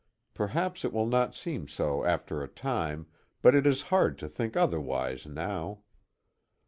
Perhaps it will not seem so after a time, but it is hard to think otherwise now.